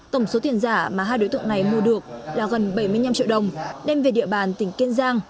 tổng số tiền giả mà hai đối tượng này mua được là gần bảy mươi năm triệu đồng đem về địa bàn tỉnh kiên giang